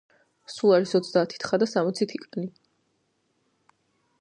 სულ არის ოცდაათი თხა და სამოცი თიკანი.